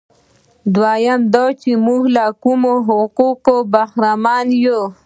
دویم دا چې موږ له کومو حقوقو برخمن یو.